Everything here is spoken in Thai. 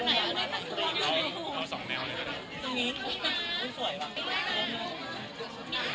มิ้นทร์ค่ะก้อนดินนะ